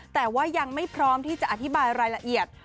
แต่ว่ายังไม่พร้อมที่จะอธิบายรายละเอียด